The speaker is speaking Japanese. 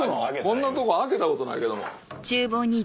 こんなとこ開けたことないけど。